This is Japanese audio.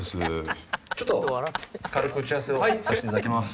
ちょっと軽く打ち合わせをさせていただきます。